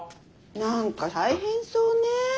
何か大変そうね。